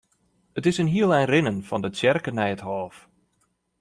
It is in hiel ein rinnen fan de tsjerke nei it hôf.